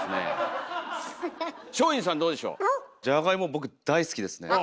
僕大好きですね。